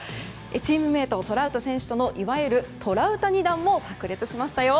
チームメートのトラウト選手とのいわゆるトラウタニ弾も炸裂しましたよ！